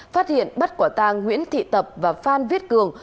phát hiện bắt quả tang nguyễn thị tập và phan viết cường